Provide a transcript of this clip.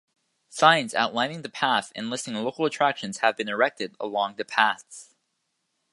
Signs outlining the path and listing local attractions have been erected along the paths.